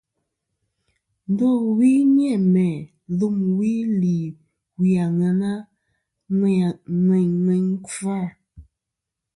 Ndowi ni-a mæ lumwi li wi ŋweyna ŋweyn ŋweyn kfa.